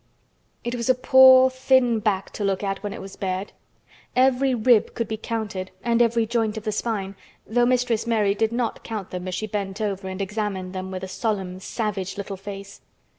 It was a poor thin back to look at when it was bared. Every rib could be counted and every joint of the spine, though Mistress Mary did not count them as she bent over and examined them with a solemn savage little face.